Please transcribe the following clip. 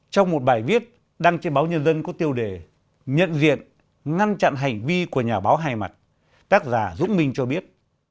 trong một bài viết đăng trên báo nhân dân có tiêu đề nhận diện ngăn chặn hành vi của nhà báo hai mặt tác giả dũng minh cho biết